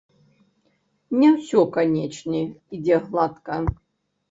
Не ўсё, канечне, ідзе гладка.